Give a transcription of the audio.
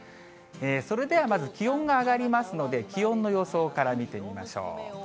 それではまず気温が上がりますので、気温の予想から見てみましょう。